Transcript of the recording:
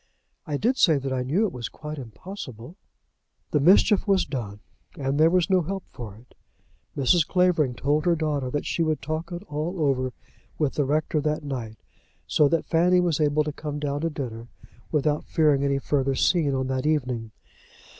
I did say that I knew it was quite impossible." The mischief was done and there was no help for it. Mrs. Clavering told her daughter that she would talk it all over with the rector that night, so that Fanny was able to come down to dinner without fearing any further scene on that evening.